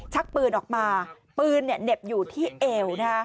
ชักปืนออกมาปืนเหน็บอยู่ที่เอว